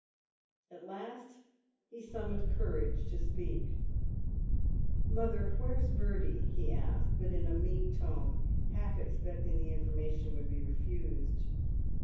At last he summoned courage to speak. "Mother, where's Bertie ?" he asked, but in a meek tone, half expecting the informa tion would be refused.